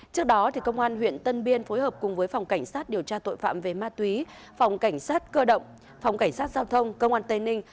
trước đó công an huyện tân biên phối hợp cùng với phòng cảnh sát điều tra tội phạm về ma túy phòng cảnh sát cơ động phòng cảnh sát giao thông công an tây ninh